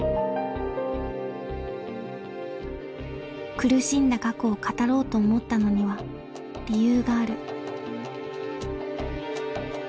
苦しんだ過去を語ろうと思ったのには理由がある。